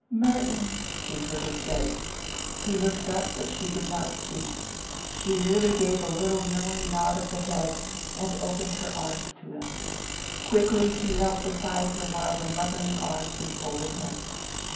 "Merton!" he heard her say. He looked up but she did not speak. She merely gave a little knowing nod of the head and opened her arms to him. Quickly he knelt beside her while the mothering arms enfolded him.